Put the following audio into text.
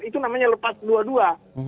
itu namanya lepas dua dua